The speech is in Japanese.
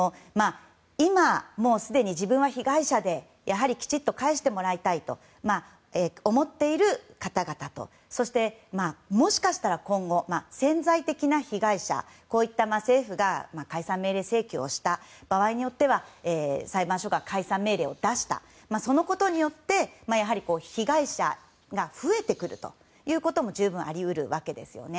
今、もうすでに自分は被害者できちんと返してもらいたいと思っている方々と、もしかしたら今後、潜在的な被害者こういった政府が解散命令請求をした場合によって裁判所が解散命令を出したそのことによって被害者が増えてくるということも十分あり得るわけですよね。